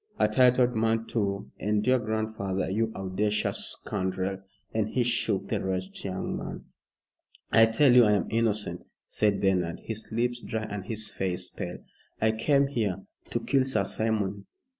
A titled man, too, and your grandfather you audacious scoundrel!" and he shook the wretched young man. "I tell you I am innocent," said Bernard, his lips dry and his face pale. "I came here " "To kill Sir Simon.